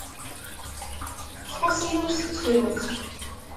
Txuṣṣ yiwet n tefrut.